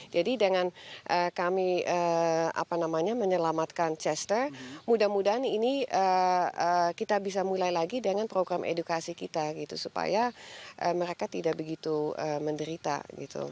jadi dengan kami apa namanya menyelamatkan chester mudah mudahan ini kita bisa mulai lagi dengan program edukasi kita gitu supaya mereka tidak begitu menderita gitu